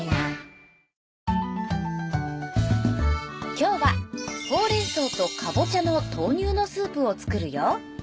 今日はほうれん草とかぼちゃの豆乳のスープを作るよ。